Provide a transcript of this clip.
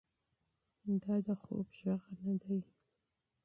دا د خوب غږ نه دی.